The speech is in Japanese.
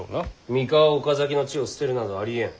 三河岡崎の地を捨てるなどありえん。